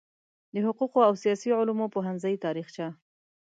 د حقوقو او سیاسي علومو پوهنځي تاریخچه